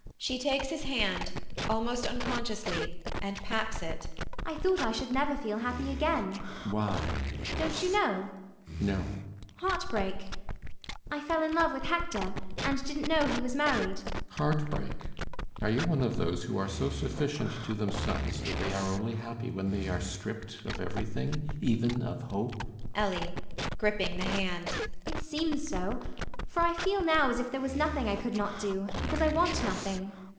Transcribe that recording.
[She takes his hand, almost unconsciously, and pats it]. I thought I should never feel happy again. CAPTAIN SHOTOVER. Why? ELLIE. Don't you know? CAPTAIN SHOTOVER. No. ELLIE. Heartbreak. I fell in love with Hector, and didn't know he was married. CAPTAIN SHOTOVER. Heartbreak? Are you one of those who are so sufficient to themselves that they are only happy when they are stripped of everything, even of hope? ELLIE [gripping the hand]. It seems so; for I feel now as if there was nothing I could not do, because I want nothing.